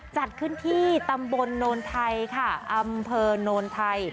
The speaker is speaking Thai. จัดขึ้นที่ตำบลโนนไทยค่ะอำเภอโนนไทย